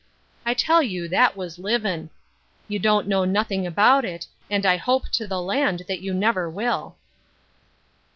I tell you that was livm' ! You don't know nothing about it, and I hope to the land that jou never will.''